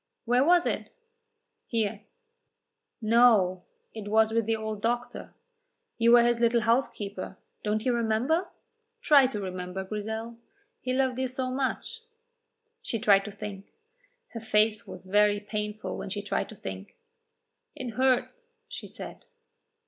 "Where was it?" "Here." "No, it was with the old doctor. You were his little housekeeper; don't you remember? Try to remember, Grizel; he loved you so much." She tried to think. Her face was very painful when she tried to think. "It hurts," she said.